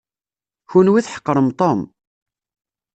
Kenwi tḥeqrem Tom.